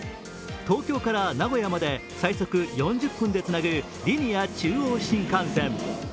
東京から名古屋まで最速４０分でつなぐリニア中央新幹線。